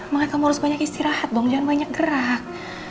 maka kamu harus banyak istirahat dong jangan banyak gerak